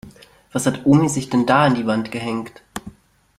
Was hat Omi sich denn da an die Wand gehängt?